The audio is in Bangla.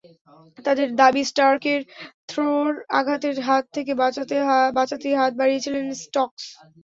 তাদের দাবি স্টার্কের থ্রোর আঘাতের হাত থেকে বাঁচতেই হাত বাড়িয়েছিলেন স্টোকস।